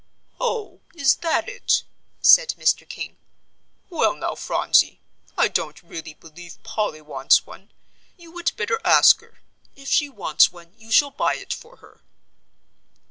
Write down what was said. "Oh, is that it?" said Mr. King. "Well, now, Phronsie, I don't really believe Polly wants one. You would better ask her. If she wants one you shall buy it for her."